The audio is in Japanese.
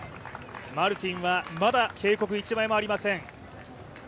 マルティンはまだ警告１枚もありません。